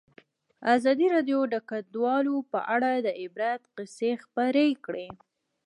ازادي راډیو د کډوال په اړه د عبرت کیسې خبر کړي.